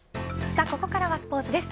さあ、ここからはスポーツです